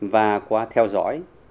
và qua theo dõi